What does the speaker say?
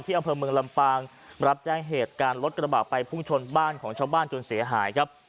อำเภอเมืองลำปางรับแจ้งเหตุการณ์รถกระบะไปพุ่งชนบ้านของชาวบ้านจนเสียหายครับ